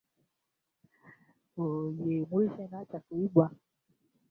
Vilabu kumi na moja vya London vilituma wawakilishi katika mkutano wa Freemasons